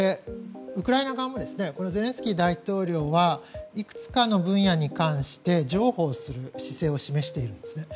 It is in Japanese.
ウクライナ側もゼレンスキー大統領はいくつかの分野に関して譲歩をする姿勢を示しているんです。